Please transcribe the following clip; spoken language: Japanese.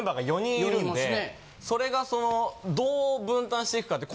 それがそのどう分担していくかって。